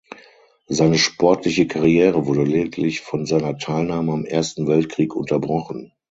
Seine sportliche Karriere wurde lediglich von seiner Teilnahme am Ersten Weltkrieg unterbrochen.